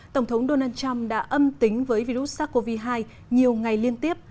tổng thống donald trump đã âm tính với virus sars cov hai nhiều ngày liên tiếp